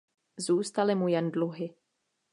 Zůstaly mu jen dluhy.